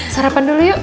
sarapan dulu yuk